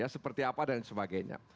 seperti apa dan sebagainya